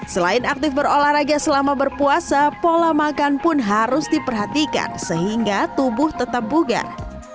selain aktif berolahraga selama berpuasa pola makan pun harus diperhatikan sehingga tubuh tetap bugar